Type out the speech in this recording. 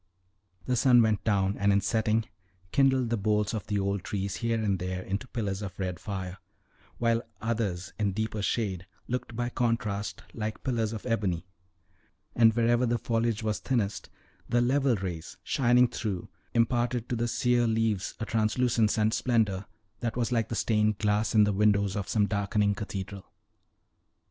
The sun went down, and in setting, kindled the boles of the old trees here and there into pillars of red fire, while others in deeper shade looked by contrast like pillars of ebony; and wherever the foliage was thinnest, the level rays shining through imparted to the sere leaves a translucence and splendor that was like the stained glass in the windows of some darkening cathedral.